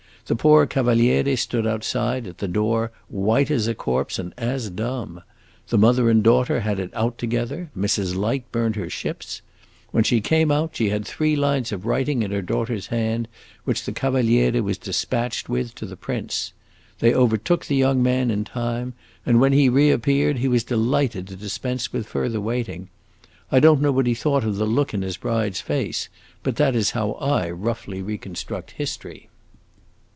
The poor Cavaliere stood outside, at the door, white as a corpse and as dumb. The mother and daughter had it out together. Mrs. Light burnt her ships. When she came out she had three lines of writing in her daughter's hand, which the Cavaliere was dispatched with to the prince. They overtook the young man in time, and, when he reappeared, he was delighted to dispense with further waiting. I don't know what he thought of the look in his bride's face; but that is how I roughly reconstruct history."